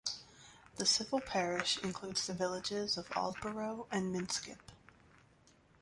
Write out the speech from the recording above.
The civil parish includes the villages of Aldborough and Minskip.